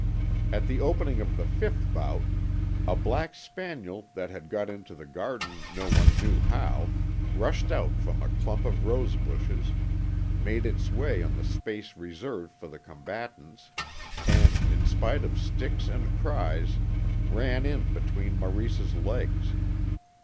At the opening of the fifth bout, a black spaniel that had got into the garden no one knew how rushed out from a clump of rose bushes, made its way on to the space reserved for the combatants, and, in spite of sticks and cries, ran in between Maurice's legs.